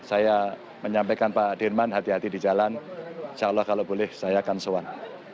saya menyampaikan pak dirman hati hati di jalan insya allah kalau boleh saya akan sewan